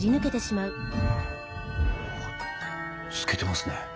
透けてますね。